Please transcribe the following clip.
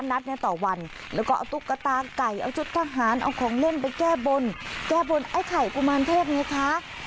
นัดต่อวันแล้วก็เอาตุ๊กตาไก่เอาชุดทหารเอาของเล่นไปแก้บนแก้บนไอ้ไข่กุมารเทพไงคะ